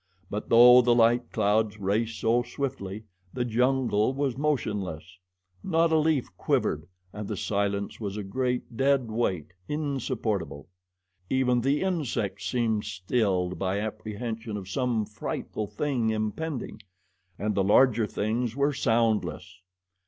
But though the light clouds raced so swiftly, the jungle was motionless. Not a leaf quivered and the silence was a great, dead weight insupportable. Even the insects seemed stilled by apprehension of some frightful thing impending, and the larger things were soundless.